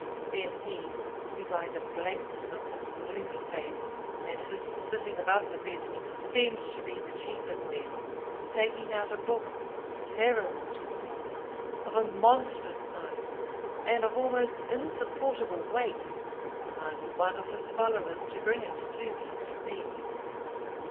Then he, who by the blackness of his gloomy face, and his sitting above the rest, seemed to be the chief of them, taking out a book terrible to behold, of a monstrous size, and of almost insupportable weight, commanded one of his followers to bring it to me to read.